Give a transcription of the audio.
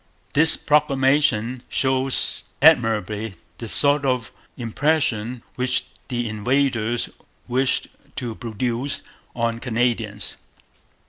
This proclamation shows admirably the sort of impression which the invaders wished to produce on Canadians.